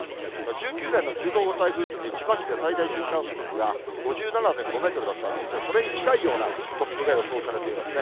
１９年の１５号台風のとき、千葉市で最大瞬間風速が５７．５メートルだったんですが、それに近いような突風が予想されていますね。